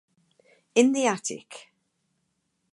In the attic.